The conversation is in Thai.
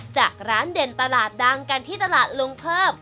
จากร้านเด่นตลาดดังกันที่ตลาดลุงเพิ่ม